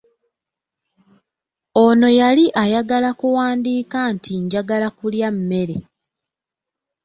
Ono yali ayagala kuwandiika nti njagala kulya mmere.